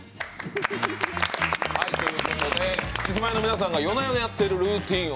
キスマイの皆さんが夜な夜なやってるルーティンを